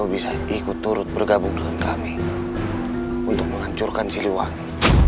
benar kita hancurkan siliwangi